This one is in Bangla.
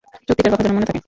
চুক্তিটার কথা যেন মনে থাকে!